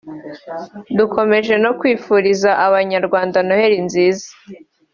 dukomeje no kwifuriza Abanyarwanda Noheli nziza”